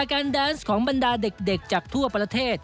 การแดนส์ของบรรดาเด็กจากทั่วประเทศ